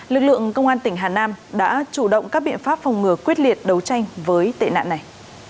lực lượng công an tỉnh hà nam đã chủ động các biện pháp phòng ngừa quyết liệt đấu tranh với tệ nạn này